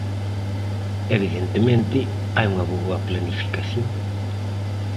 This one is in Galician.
Evidentemente, hai unha boa planificación.